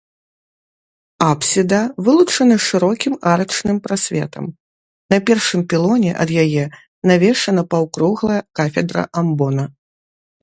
Апсіда вылучана шырокім арачным прасветам, на першым пілоне ад яе навешана паўкруглая кафедра амбона.